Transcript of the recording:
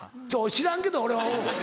知らんけど俺は。